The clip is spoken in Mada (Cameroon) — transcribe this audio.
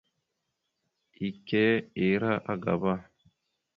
Ike ira agaba.